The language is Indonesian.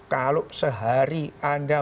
kalau sehari anda